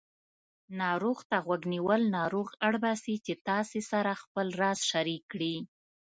ناروغ ته غوږ نیول ناروغ اړباسي چې تاسې سره خپل راز شریک کړي